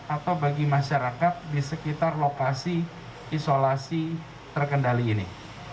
atau bagi masyarakat di sekitar lokasi isolasi terkendali ini